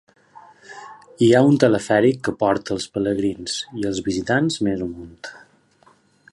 Hi ha un telefèric que porta els peregrins i els visitants més amunt.